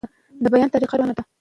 د بیان طریقه روښانه ده.